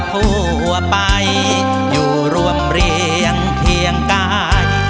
ทั่วไปอยู่รวมเรียงเคียงกาย